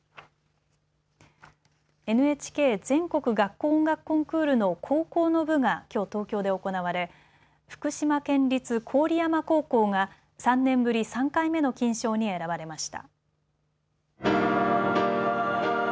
ＮＨＫ全国学校音楽コンクールの高校の部がきょう、東京で行われ福島県立郡山高校が３年ぶり３回目の金賞に選ばれました。